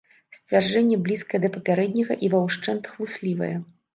Сцверджанне блізкае да папярэдняга і ва ўшчэнт хлуслівае.